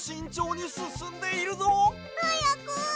はやく！